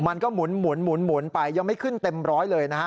มันก็หมุนไปยังไม่ขึ้นเต็มร้อยเลยนะฮะ